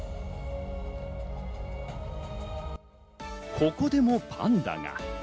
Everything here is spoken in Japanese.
ここでもパンダが。